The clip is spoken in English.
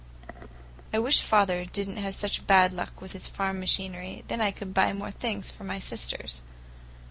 I wish father did n't have such bad luck with his farm machinery; then I could buy more things for my sisters.